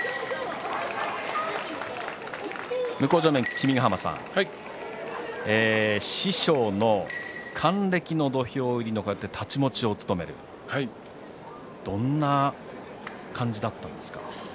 向正面君ヶ濱さん師匠の還暦の土俵入り太刀持ちを務めてどんな感じでしたか？